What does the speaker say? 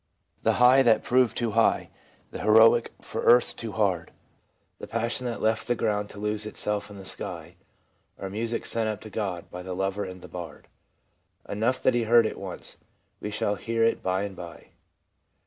.. J * The high that proved too high, the heroic for earth too hard. The passion that left the ground to lose itself in the sky, Are music sent up to God by the lover and the bard ; Enough that he heard it once ; we shall hear it by and by.'